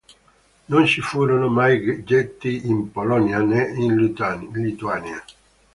Non ci furono mai ghetti in Polonia, né in Lituania.